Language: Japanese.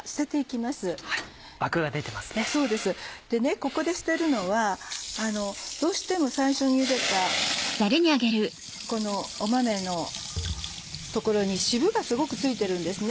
ここで捨てるのはどうしても最初にゆでた豆の所に渋がすごく付いてるんですね。